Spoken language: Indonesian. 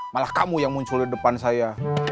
malah kamu yang muncul di depan saya